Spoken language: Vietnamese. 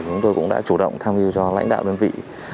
chúng tôi cũng đã chủ động tham hiu cho lãnh đạo đơn vị